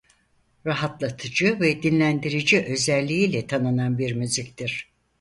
Rahatlatıcı ve dinlendirici özelliğiyle tanınan bir müziktir.